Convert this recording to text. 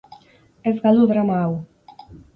Ez galdu drama hau!